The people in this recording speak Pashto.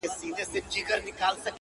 امیر ږغ کړه ویل ستا دي هم په یاد وي؛